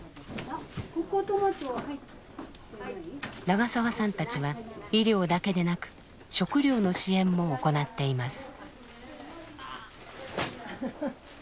長澤さんたちは医療だけでなく食料の支援も行っています。